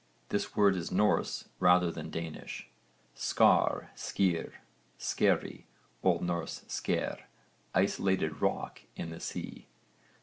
This word is Norse rather than Danish. SCAR, skear, skerry. O.N. sker, isolated rock in the sea.